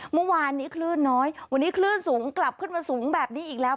เมื่อวานนี้คลื่นน้อยวันนี้คลื่นสูงกลับขึ้นมาสูงแบบนี้อีกแล้ว